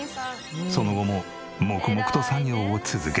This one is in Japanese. その後も黙々と作業を続け。